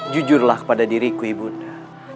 jujurlah kepada diriku ibu undang